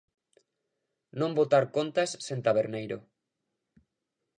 Non botar contas sen taberneiro.